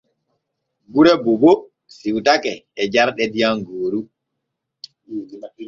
Gure Boobo siwtake e jarɗe diyam gooru.